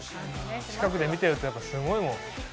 近くで見てるとやっぱすごいもん。